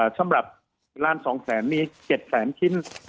สำหรับร้านสองแสนนี้๗แสนชิ้น